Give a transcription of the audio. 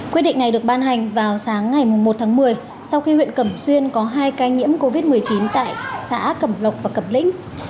quyết định này được ban hành vào sáng ngày một tháng một mươi sau khi huyện cẩm xuyên có hai ca nhiễm covid một mươi chín tại xã cẩm lộc và cẩm lĩnh